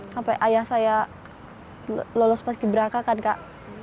sampai ayah saya lolos paski beraka kan kak